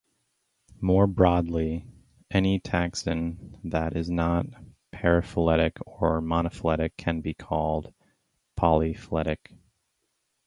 More broadly, any taxon that is not paraphyletic or monophyletic can be called polyphyletic.